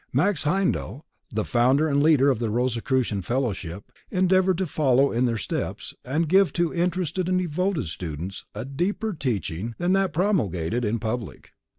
Max Heindel, the founder and leader of the Rosicrucian Fellowship, endeavored to follow in their steps and give to interested and devoted students a deeper teaching than that promulgated in public.